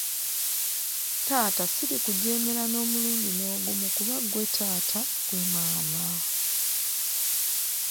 Taata sirikujeemera n’omulundi n’ogumu kuba ggwe taata, ggwe maama.